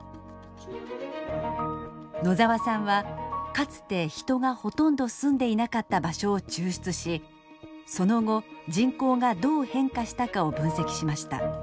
野澤さんはかつて人がほとんど住んでいなかった場所を抽出しその後人口がどう変化したかを分析しました。